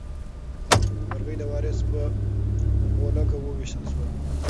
مرغۍ د وارث په غولکه وویشتل شوه.